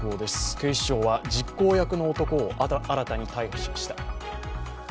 警視庁は実行役の男を新たに逮捕しました。